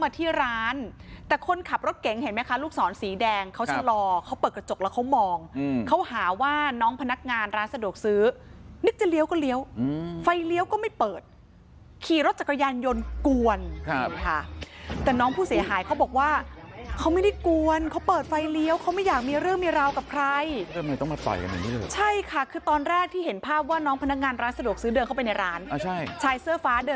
แต่คนขับรถเก่งเห็นไหมคะลูกศรสีแดงเขาชะลอเขาเปิดกระจกแล้วเขามองเขาหาว่าน้องพนักงานร้านสะดวกซื้อนึกจะเลี้ยวก็เลี้ยวไฟเลี้ยวก็ไม่เปิดขี่รถจักรยานยนต์กวนแต่น้องผู้เสียหายเขาบอกว่าเขาไม่ได้กวนเขาเปิดไฟเลี้ยวเขาไม่อยากมีเรื่องมีราวกับใครใช่ค่ะคือตอนแรกที่เห็นภาพว่าน้องพนักงานร้านสะดวกซื